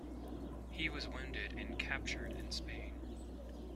He was wounded and captured in Spain.